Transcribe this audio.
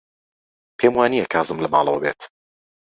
پێم وانییە کازم لە ماڵەوە بێت.